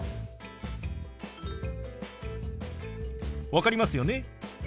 分かりますよね？